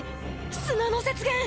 砂の雪原！